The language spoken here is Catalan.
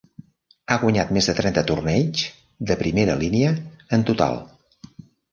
Ha guanyat més de trenta torneigs de primera línia en total.